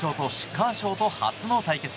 カーショーと初の対決。